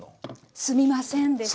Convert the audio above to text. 「すみませんでした」。